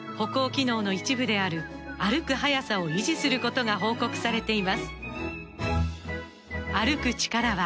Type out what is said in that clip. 歩行機能の一部である歩く速さを維持することが報告されています